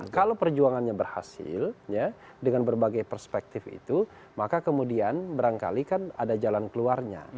kalau perjuangannya berhasil dengan berbagai perspektif itu maka kemudian barangkali kan ada jalan keluarnya